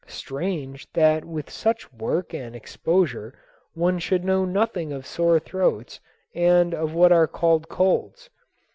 Strange that with such work and exposure one should know nothing of sore throats and of what are called colds.